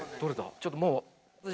ちょっともう。